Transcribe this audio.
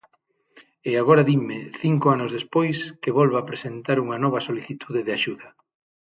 E agora dinme, cinco anos despois, que volva presentar unha nova solicitude de axuda.